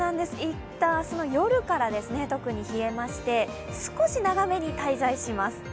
いったん、明日の夜から特に冷えまして少し長めに滞在します。